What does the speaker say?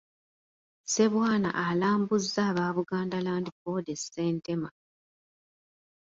Ssebwana alambuzza aba Buganda Land Board e Ssentema.